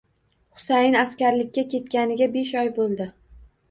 Husayin askarlikka ketganiga besh oy bo'ldi.